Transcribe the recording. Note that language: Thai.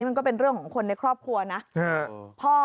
มันก็เป็นเรื่องของคนในครอบครัวนะ